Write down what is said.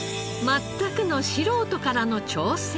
全くの素人からの挑戦。